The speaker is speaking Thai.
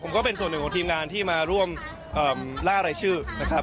ผมก็เป็นส่วนหนึ่งของทีมงานที่มาร่วมล่ารายชื่อนะครับ